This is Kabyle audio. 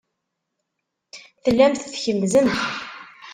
Tellamt tkemmzemt.